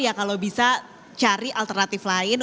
ya kalau bisa cari alternatif lain